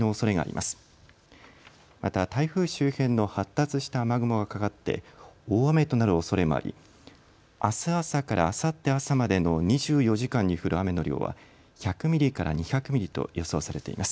また台風周辺の発達した雨雲がかかって大雨となるおそれもありあす朝からあさって朝までの２４時間に降る雨の量は１００ミリから２００ミリと予想されています。